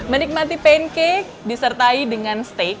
menikmati pancake disertai dengan steak